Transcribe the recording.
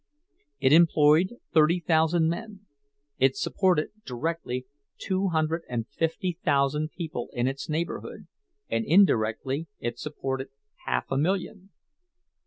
It employed thirty thousand men; it supported directly two hundred and fifty thousand people in its neighborhood, and indirectly it supported half a million.